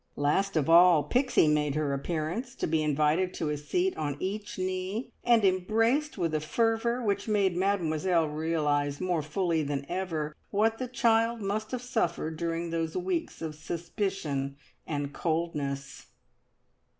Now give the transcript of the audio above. Last of all Pixie made her appearance, to be invited to a seat on each knee, and embraced with a fervour which made Mademoiselle realise more fully than ever what the child must have suffered during those weeks of suspicion and coldness.